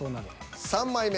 ３枚目。